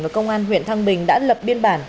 và công an huyện thăng bình đã lập biên bản